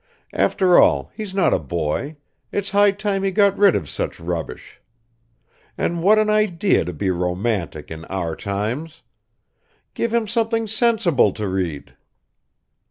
After all he's not a boy, it's high time he got rid of such rubbish. And what an idea to be romantic in our times! Give him something sensible to read."